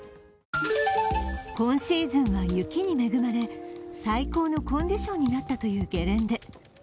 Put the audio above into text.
今シーズンは雪に恵まれ、最高のコンディションになったというゲレンデ。